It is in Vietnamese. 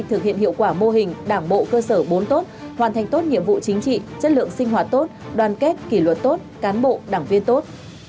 thực hiện hiệu quả mô hình đảng bộ cơ sở bốn tốt hoàn thành tốt nhiệm vụ chính trị chất lượng sinh hoạt tốt đoàn kết kỷ luật tốt cán bộ đảng viên tốt